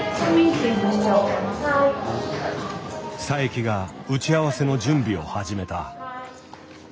佐伯が打ち合わせの準備を始めた。